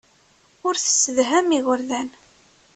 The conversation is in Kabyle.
Ur tessedham igerdan.